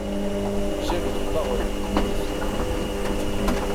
J'ai votre parole, et m'y fie.